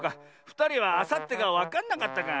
ふたりはあさってがわかんなかったか。